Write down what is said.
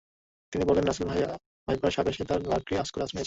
তিনি বললেন, Russell viper সাপ এসে তাঁর লাকড়ির ঘরে আশ্রয় নিয়েছে।